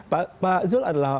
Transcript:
pak zulkifli hasan adalah